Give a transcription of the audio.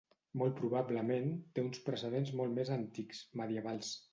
Molt probablement té uns precedents molt més antics, medievals.